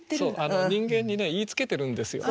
そう人間に言いつけてるんですよ。